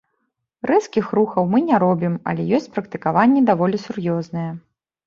Рэзкіх рухаў мы не робім, але ёсць практыкаванні даволі сур'ёзныя.